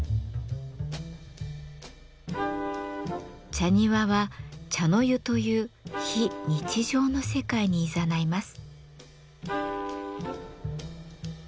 茶庭は茶の湯という非日常の世界にいざないます。